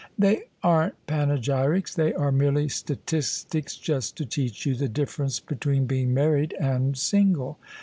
"They aren't panegjrrics — ^they arc merely statistics just to teach you the difference between being married and single."